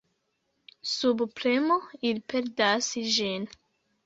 Sub premo ili perdas ĝin.